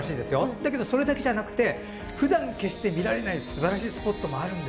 だけどそれだけじゃなくてふだん決して見られないすばらしいスポットもあるんですよ。